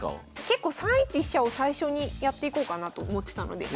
結構３一飛車を最初にやっていこうかなと思ってたので。